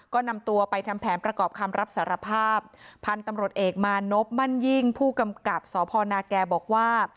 ก็นำตัวไปทำแผนประกอบคำรับสารภาพพันธุ์ตำรวจเอกมานพมั่นยิ่งผู้กำกับสพนาแก่บอกว่า